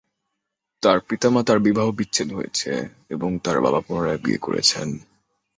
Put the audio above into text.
তার পিতা-মাতার বিবাহ-বিচ্ছেদ হয়েছে, এবং তার বাবা পুনরায় বিয়ে করেছেন।